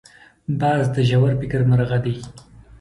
باز د ژور فکر مرغه دی